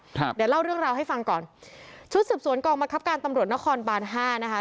ครับเดี๋ยวเล่าเรื่องราวให้ฟังก่อนชุดสืบสวนกองบังคับการตำรวจนครบานห้านะคะ